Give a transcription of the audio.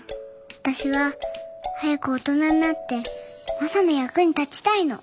私は早く大人になってマサの役に立ちたいの。